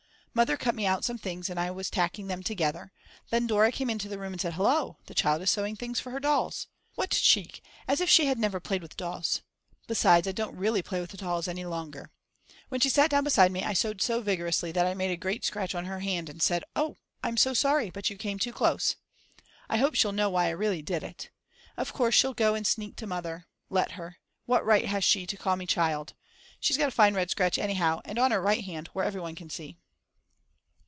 Mother cut me out some things and I was tacking them together. Then Dora came into the room and said Hullo, the child is sewing things for her dolls. What cheek, as if she had never played with dolls. Besides, I don't really play with dolls any longer. When she sat down beside me I sewed so vigorously that I made a great scratch on her hand, and said: Oh, I'm so sorry, but you came too close. I hope she'll know why I really did it. Of course she'll go and sneak to Mother. Let her. What right has she to call me child. She's got a fine red scratch anyhow, and on her right hand where everyone can see.